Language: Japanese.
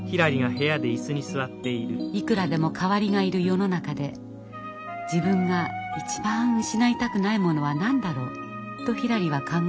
いくらでも代わりがいる世の中で自分が一番失いたくないものは何だろう？とひらりは考え込んでいました。